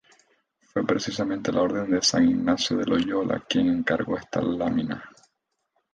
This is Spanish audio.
Fue precisamente la orden de San Ignacio de Loyola quien encargó esta lámina.